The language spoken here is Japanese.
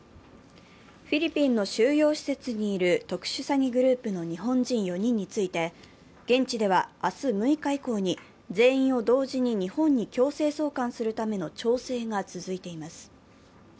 フィリピンの収容施設にいる特殊詐欺グループの日本人４人について、現地では明日６日以降に全員を同時に日本に強制送還するための調整が続いています。